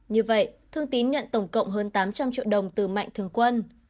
như vậy thương tín nhận tổng cộng hơn tám trăm linh triệu đồng từ mạnh thường quân